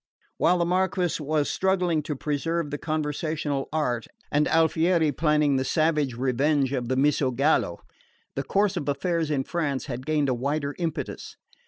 While the Marquis was struggling to preserve the conversational art, and Alfieri planning the savage revenge of the Misogallo, the course of affairs in France had gained a wilder impetus.